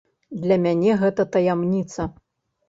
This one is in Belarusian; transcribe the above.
Для мяне гэта таямніца.